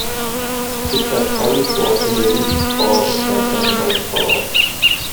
Secret Police was released for the Game Boy Color.